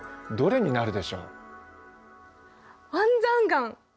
安山岩！